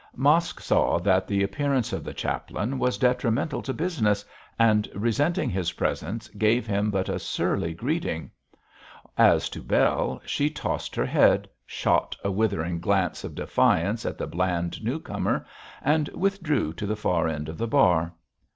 Mosk saw that the appearance of the chaplain was detrimental to business, and resenting his presence gave him but a surly greeting. As to Bell, she tossed her head, shot a withering glance of defiance at the bland new comer, and withdrew to the far end of the bar.